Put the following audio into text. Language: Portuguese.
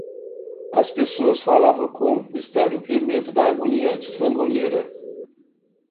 As pessoas falavam com mistério e medo da agonia de Sangonera.